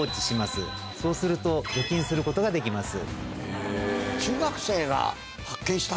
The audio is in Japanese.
そうすると除菌することができます。